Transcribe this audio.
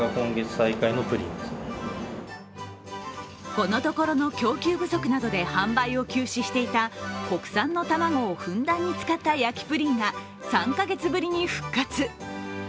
このところの供給不足などで販売を休止していた国産の卵をふんだんに使った焼きプリンが３か月ぶりに復活。